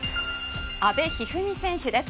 阿部一二三選手です。